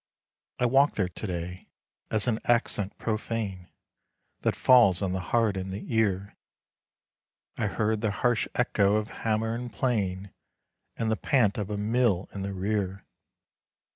I walked there to day; as an accent profane That falls on the heart and the ear, I heard the harsh echo of hammer and plane, And the pant of a mill in the rear.